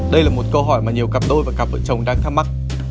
đây là một câu hỏi mà nhiều cặp đôi và cặp vợ chồng đang thắc mắc